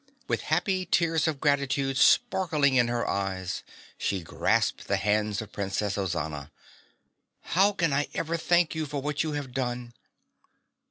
With happy tears of gratitude sparkling in her eyes, she grasped the hands of Princess Ozana. "How can I ever thank you for what you have done?"